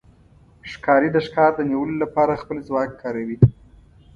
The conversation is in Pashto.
ښکاري د ښکار د نیولو لپاره خپل ځواک کاروي.